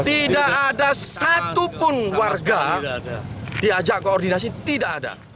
tidak ada satupun warga diajak koordinasi tidak ada